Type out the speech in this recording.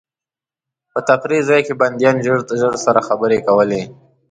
په تفریح ځای کې بندیان ژر ژر سره خبرې کولې.